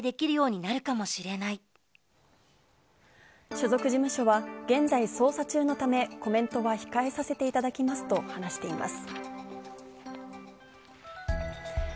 所属事務所は現在捜査中のためコメントは控えさせていただきますと話しています。